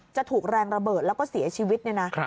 จะถูกแรงระเบิดแล้วก็เสียชีวิตเนี่ยนะ